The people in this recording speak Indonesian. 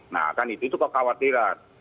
nah kan itu kekhawatiran